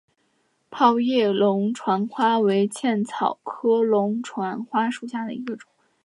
泡叶龙船花为茜草科龙船花属下的一个种。